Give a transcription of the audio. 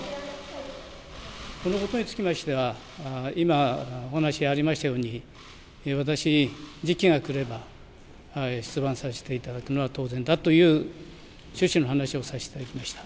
このことにつきましては今お話がありましたように時期がくれば出馬させていただくのは当然だというその話をさせていただきました。